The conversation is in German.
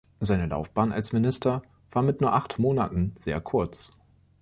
Seine Laufbahn als Minister war mit nur acht Monaten sehr kurz.